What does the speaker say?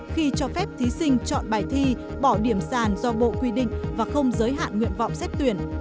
khi cho phép thí sinh chọn bài thi bỏ điểm sàn do bộ quy định và không giới hạn nguyện vọng xét tuyển